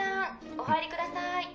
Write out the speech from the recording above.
お入りください。